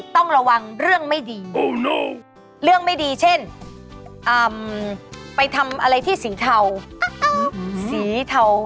ต้องระวังเรื่องไม่ดีเรื่องไม่ดีเช่นไปทำอะไรที่สีเทาสีเทา